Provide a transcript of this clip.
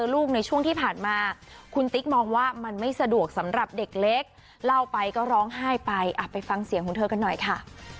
ลูกในช่วงที่ผ่านมาคุณติ๊กมองว่ามันไม่สะดวกสำหรับเด็กเล็กเล่าไปก็ร้องไห้ไปไปฟังเสียงของเธอกันหน่อยค่ะ